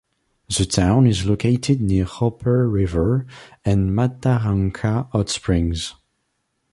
The town is located near Roper River and Mataranka Hot Springs.